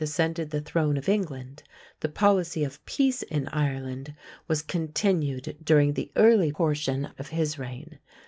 ascended the throne of England, the policy of peace in Ireland was continued during the early portion of his reign.